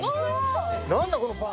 何だこのパン。